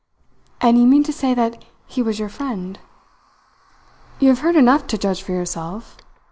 "And you mean to say that he was your friend?" "You have heard enough to judge for yourself.